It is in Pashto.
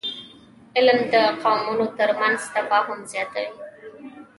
علم د قومونو ترمنځ تفاهم زیاتوي